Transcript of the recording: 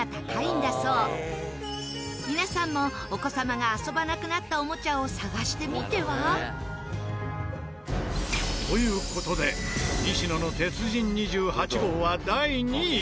皆さんもお子様が遊ばなくなったおもちゃを探してみては？という事で西野の鉄人２８号は第２位！